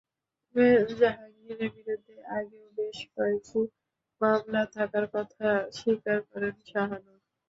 তবে জাহাঙ্গীরের বিরুদ্ধে আগেও বেশ কয়েকটি মামলা থাকার কথা স্বীকার করেন শাহানূর।